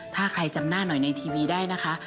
ถ้าใครจำหน้าหน่อยในทีวีได้นะคะ